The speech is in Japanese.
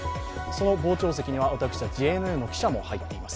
その傍聴席には私たちＪＮＮの記者も入っております。